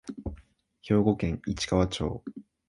兵庫県市川町